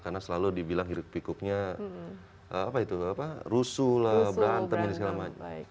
karena selalu dibilang hirup pikupnya apa itu rusuh lah brantem dan segala macam